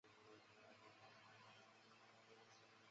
云贵谷精草为谷精草科谷精草属下的一个种。